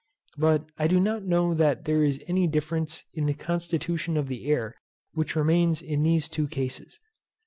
But I do not know that there is any difference in the constitution of the air which remains in these two cases.